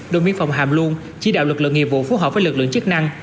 đồn biên phòng hàm luân chỉ đạo lực lượng nghiệp vụ phù hợp với lực lượng chức năng